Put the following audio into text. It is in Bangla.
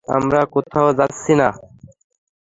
আমরা কোথাও যাচ্ছি না।